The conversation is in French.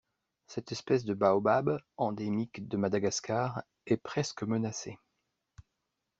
Cette espèce de baobab, endémique de Madagascar, est presque menacée.